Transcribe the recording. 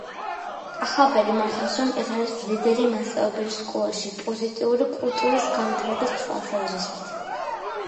კახაბერი, მართლაც, რომ ეს არის ლიდერი მასწავლებელი სკოლაში პოზიტიური კულტურის განვითარების თვალსაზრისით